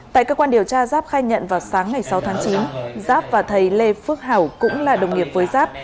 tại cơ quan điều tra giáp khai nhận vào sáng ngày sáu tháng chín giáp và thầy lê phước hảo cũng là đồng nghiệp với giáp